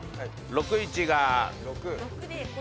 ６×１が６。